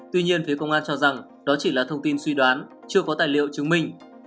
tuy nhiên phía công an cho rằng đó chỉ là thông tin suy đoán chưa có tài liệu chứng minh